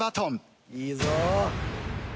いいぞ。